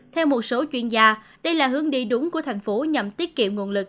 theo một số chuyên gia đây là hướng đi đúng của thành phố nhằm tiết kiệm nguồn lực